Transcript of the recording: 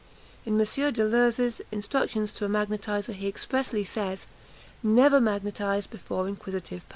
In M. Deleuze's instructions to a magnetiser, he expressly says, "Never magnetise before inquisitive persons!"